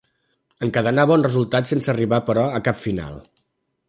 Encadenà bons resultats sense arribar però a cap final.